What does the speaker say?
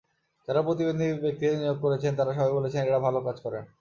যাঁরা প্রতিবন্ধী ব্যক্তিদের নিয়োগ করেছেন, তাঁরা সবাই বলেছেন এঁরা ভালো কাজ করেন।